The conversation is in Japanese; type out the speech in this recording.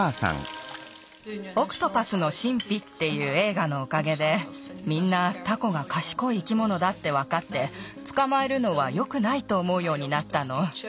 「オクトパスの神秘」っていうえいがのおかげでみんなタコがかしこい生き物だってわかってつかまえるのはよくないとおもうようになったの。